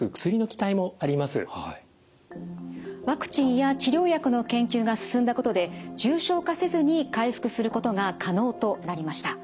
ワクチンや治療薬の研究が進んだことで重症化せずに回復することが可能となりました。